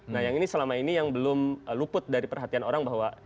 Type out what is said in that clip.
nah yang ini selama ini yang belum luput dari perhatian orang bahwa